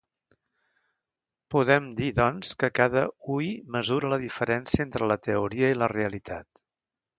Podem dir, doncs, que cada ui mesura la diferència entre la teoria i la realitat.